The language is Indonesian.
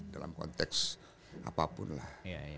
dalam konteks apapun lah